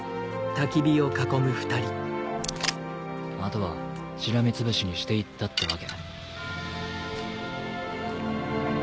あとはしらみつぶしにして行ったってわけ。